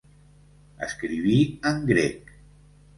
Escriví en grec.